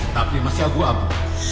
tapi masih abu abu